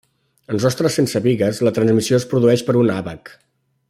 En sostres sense bigues, la transmissió es produeix per un àbac.